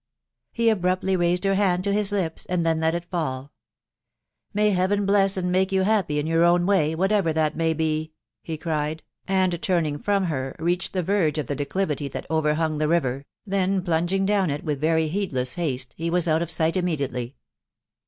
He abruptly raised her hand to his lips, and then let it falL " May Heaven bless and make you happy in your own way, whatever that may be]" he cried, and turning from her, reached the verge of the declivity that overhung the river, then plunging down it with very heedless haste, he was out of sight immediately.